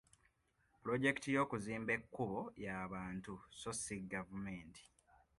Pulojekiti y'okuzimba ekkubo y'abantu so si gavumenti.